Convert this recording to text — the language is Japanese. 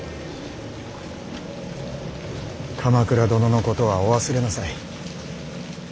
鎌倉殿のことはお忘れなさい。